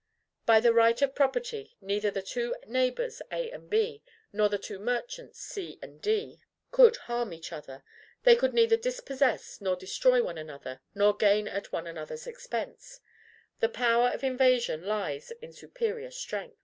By the right of property, neither the two neighbors A and B, nor the two merchants C and D, could harm each other. They could neither dispossess nor destroy one another, nor gain at one another's expense. The power of invasion lies in superior strength.